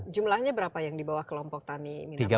jumlahnya berapa yang dibawah kelompok tani